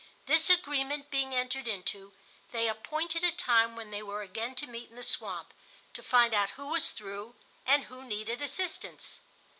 This agreement being entered into, they appointed a time when they were again to meet in the swamp—to find out who was through and who needed assistance.